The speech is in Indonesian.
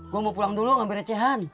gue mau pulang dulu ngambil recehan